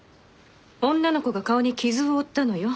女の子が顔に傷を負ったのよ。